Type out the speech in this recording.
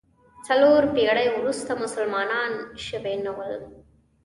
څلور پېړۍ وروسته مسلمانان شوي نه ول.